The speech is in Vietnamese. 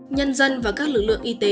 nhân dân và các lực lượng y tế